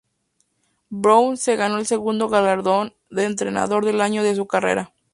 Brown se ganó el segundo galardón de Entrenador del Año de su carrera.